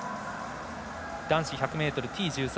男子１００ｍＴ１３